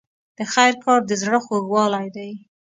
د خیر کار د زړه خوږوالی دی.